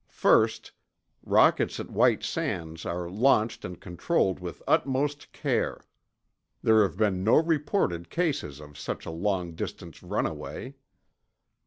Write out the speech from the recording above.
First, rockets at White Sands are launched and controlled with utmost care. There have been no reported cases of such a long distance runaway.